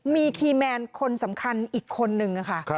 มีคีย์แมนคนสำคัญอีกคนนึงค่ะ